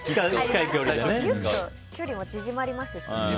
グッと距離も縮まりますしね。